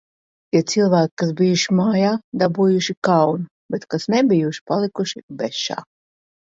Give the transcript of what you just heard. Tie cilvēki, kas bijuši mājā, dabūjuši kaunu, bet, kas nebijuši, palikuši bešā.